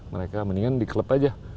mereka mendingan di klub aja